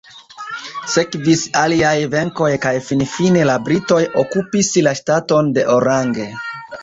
Sekvis aliaj venkoj kaj finfine la britoj okupis la ŝtaton de Orange.